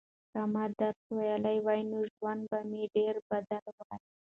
که ما درس ویلی وای نو ژوند به مې ډېر بدل و.